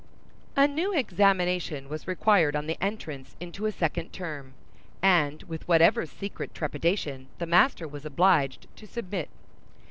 A new examination was required on the entrance into a second term, and, with whatever secret trepidation, the master was obliged to submit.